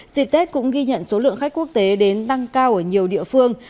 dịp tết cũng ghi nhận số lượng khách quốc tế đến tăng cao ở nhiều địa phương